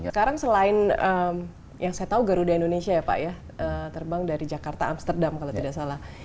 sekarang selain yang saya tahu garuda indonesia ya pak ya terbang dari jakarta amsterdam kalau tidak salah